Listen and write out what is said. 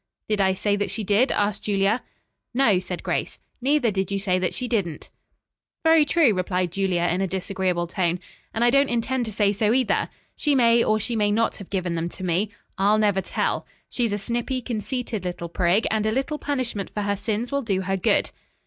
"Did I say that she did?" asked Julia. "No," said Grace, "neither did you say that she didn't." "Very true," replied Julia in a disagreeable tone, "and I don't intend to say so either. She may or she may not have given them to me. I'll never tell. She's a snippy, conceited, little prig, and a little punishment for her sins will do her good."